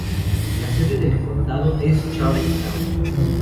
La sede del condado es Charles Town.